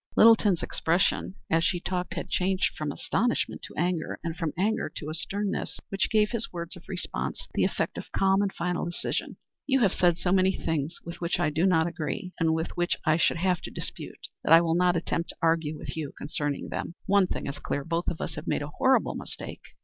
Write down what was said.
Littleton's expression as she talked had changed from astonishment to anger, and from anger to a sternness which gave his words of response the effect of calm and final decision. "You have said so many things with which I do not agree, and which I should have to dispute, that I will not attempt to argue with you concerning them. One thing is clear, both of us have made a horrible mistake.